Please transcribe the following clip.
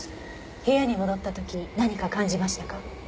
部屋に戻った時何か感じましたか？